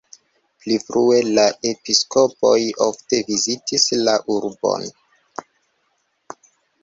Pli frue la episkopoj ofte vizitis la urbon.